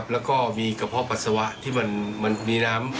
แล้วก็มีกระเพาะปัสสาวะที่มันมีน้ำ